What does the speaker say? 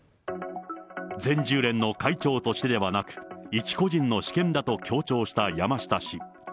全柔連の会長としてではなく、一個人の私見だと強調した山下氏。